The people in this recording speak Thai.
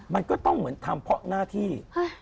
มันก็ต้องเหมือนทำเพราะหน้าที่